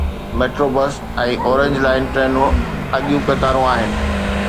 Metro bus ۽ orange line ٽرينون اڳيون قطارون آهن.